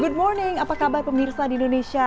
good morning apa kabar pemirsa di indonesia